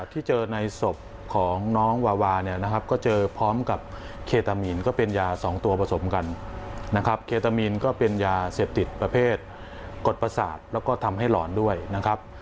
ที่เจอในศพของน้องวาวาเนี่ยนะครับก็เจอพร้อมกับเคตามีนก็เป็นยาสองตัวผสมกันนะครับเคตามีนก็เป็นยาเสพติดประเภทกดประสาทแล้วก็ทำให้หลอนด้วยนะครับ